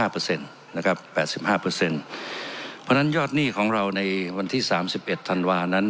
เพราะฉะนั้นยอดหนี้ของเราในวันที่๓๑ธันวานั้น